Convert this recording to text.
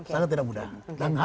sangat tidak mudah